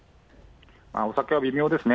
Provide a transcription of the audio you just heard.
お酒は微妙ですね。